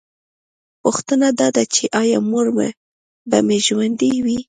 پوښتنه دا ده چې ایا مور به مې ژوندۍ وي